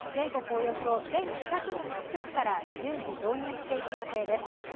およそ１２００の基地局から順次導入していく予定です。